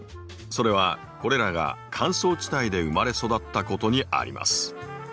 それはこれらが乾燥地帯で生まれ育ったことにあります。